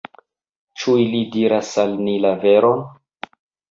Ĉu ili diras al ni la veron?